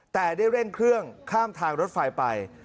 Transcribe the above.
แต่ได้เร่งเครื่องข้ามทางรถไฟไป